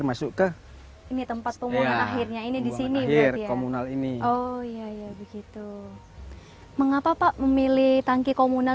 mengapa pak memilih tangki komunal